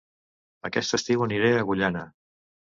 Aquest estiu aniré a Agullana